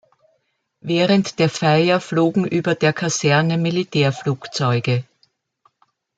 Während der Feier flogen über der Kaserne Militärflugzeuge.